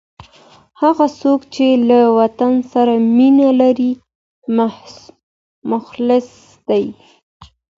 هغه څوک چي له وطن سره مینه لري، مخلص دی.